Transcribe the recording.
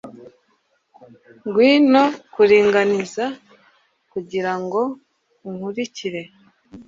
Ngwino kuringaniza ngira ngo unkurikire